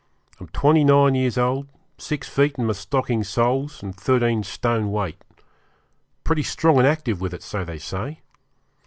I'm twenty nine years old, six feet in my stocking soles, and thirteen stone weight. Pretty strong and active with it, so they say.